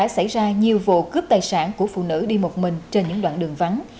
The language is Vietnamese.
có nhiều vụ cướp tài sản của phụ nữ đi một mình trên những đoạn đường vắng